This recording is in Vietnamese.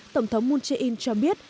tổng thống moon jae in cho biết